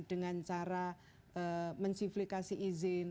dengan cara mensiflikasi izin